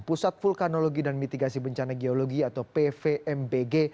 pusat vulkanologi dan mitigasi bencana geologi atau pvmbg